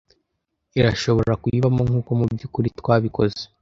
Irashobora kuyibamo nkuko mubyukuri twabikoze,